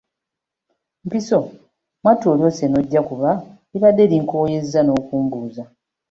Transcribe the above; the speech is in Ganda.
Mpiso, mwattu olyose n’ojja kuba libadde linkooyezza n’okumbuuza.